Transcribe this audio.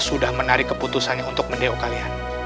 sudah menarik keputusannya untuk mendeok kalian